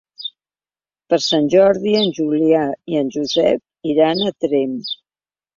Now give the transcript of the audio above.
Per Sant Jordi en Julià i en Josep iran a Tremp.